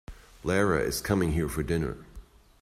Lara is coming here for dinner.